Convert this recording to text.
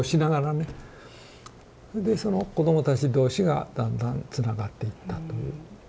それでその子どもたち同士がだんだんつながっていったという。